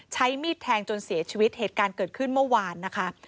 ใช้มีดแทงจนเสียชีวิตเหตุการณ์เกิดขึ้นเมื่อวานนะคะ